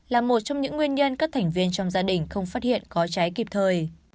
là một trong những nguyên nhân các thành viên trong gia đình không phát hiện có cháy kịp thời